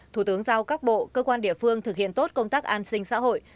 thủ tướng giao các bộ cơ quan địa phương thực hiện tốt công tác an sinh xã hội